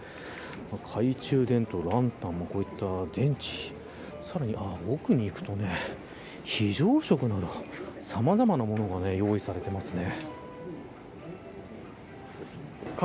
懐中電灯、ランタンこういった電池さらに奥に行くと非常食など、さまざまなものが用意されていますね。